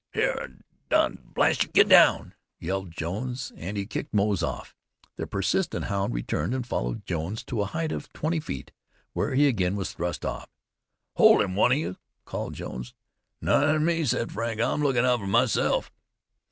"Hyar! dad blast you, git down!" yelled Jones, and he kicked Moze off. The persistent hound returned, and followed Jones to a height of twenty feet, where again he was thrust off. "Hold him, one of you!" called Jones. "Not me," said Frank, "I'm lookin' out for myself."